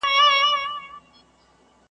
یوه شمع به ختمېږي خو بلېږي به سل نوري .